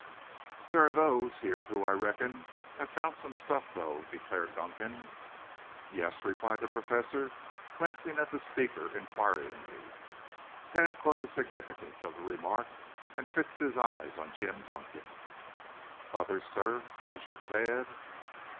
"There are those here who, I reckon, have found some stuff, though," declared Dunkan. "Yes?" replied the Professor, glancing at the speaker inquiringly. Tad caught the significance of the remark and fixed his eyes on Jim Dunkan. "Others, sir?" ventured Tad.